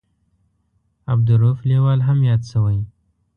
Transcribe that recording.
عبدالرووف لیوال هم یاد شوی.